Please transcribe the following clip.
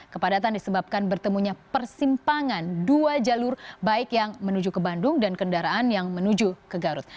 kepadatan disebabkan bertemunya persimpangan dua jalur baik yang menuju ke bandung dan kendaraan yang menuju ke garut